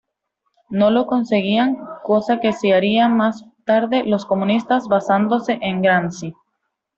No lo conseguirían, cosa que sí harían más tarde los comunistas basándose en Gramsci.